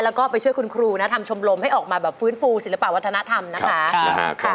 แล้วก็ไปช่วยคุณครูนะทำชมรมให้ออกมาแบบฟื้นฟูศิลปะวัฒนธรรมนะคะ